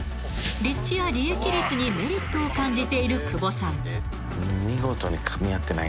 ［立地や利益率にメリットを感じている久保さん］